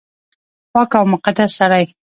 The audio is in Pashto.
پاک او مقدس سړی